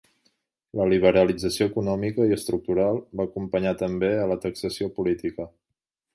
La liberalització econòmica i estructural va acompanyar també a la taxació política.